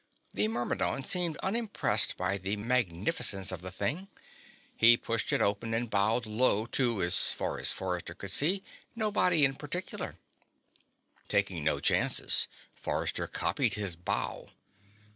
The Myrmidon seemed unimpressed by the magnificence of the thing; he pushed it open and bowed low to, as far as Forrester could see, nobody in particular. Taking no chances, Forrester copied his bow.